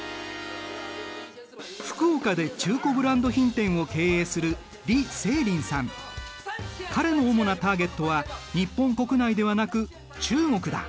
福岡で中古ブランド品店を経営する彼の主なターゲットは日本国内ではなく中国だ。